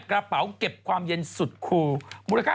กระเป๋าเก็บความเย็นสุดคูมูลค่า